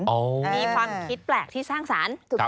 มีความคิดแปลกที่สร้างสรรค์